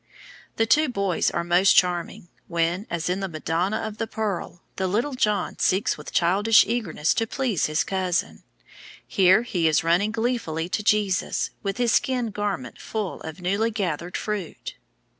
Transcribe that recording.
The two boys are most charming, when, as in the Madonna of the Pearl, the little John seeks with childish eagerness to please his cousin. Here he is running gleefully to Jesus, with his skin garment full of newly gathered fruit.